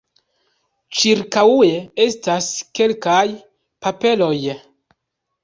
Ĉirkaŭe estas kelkaj kapeloj.